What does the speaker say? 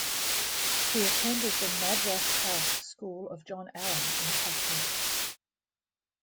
He attended the Madras House school of John Allen in Hackney.